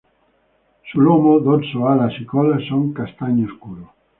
Su lomo, dorso, alas y cola son castaño oscuro.